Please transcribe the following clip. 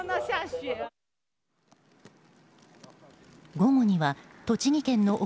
午後には栃木県の奥